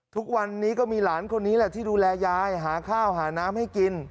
ทุกวันนี้ก็มีหลานคนนี้แหละที่ดูแลยายหาข้าวหาน้ำให้กิน